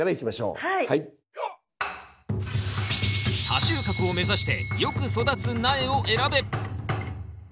多収穫を目指してよく育つ苗を選べ！